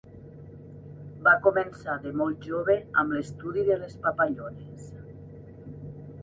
Va començar de molt jove amb l'estudi de les papallones.